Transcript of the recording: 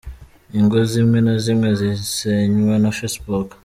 Ingo zimwe na zimwe zisenywa na Facebook.